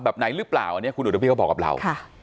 แบบไหนหรือเปล่าอันนี้คุณอุทพี่เขาบอกกับเรา